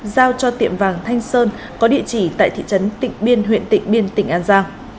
giao cho tiệm vàng thanh sơn có địa chỉ tại thị trấn tịnh biên huyện tịnh biên tỉnh an giang